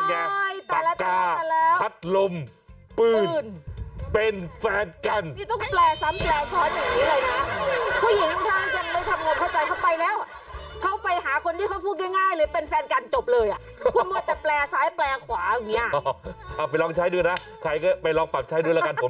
นี่ฉันอยากจะนำเสนอเพราะว่าคิดว่าคุณชนะจะต้องชอบ